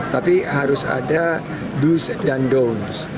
tapi harus ada do's dan don'ts